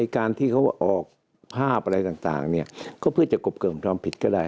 การที่เขาออกภาพอะไรต่างเนี่ยก็เพื่อจะกบเกิมความผิดก็ได้